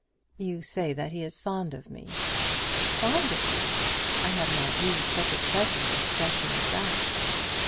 "You say that he is fond of me." "Fond of you! I have not used such trifling expressions as that."